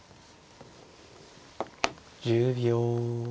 １０秒。